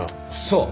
そう。